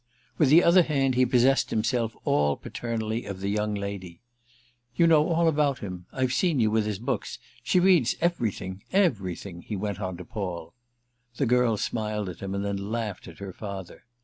With the other hand he possessed himself all paternally of the young lady. "You know all about him. I've seen you with his books. She reads everything—everything!" he went on to Paul. The girl smiled at him and then laughed at her father.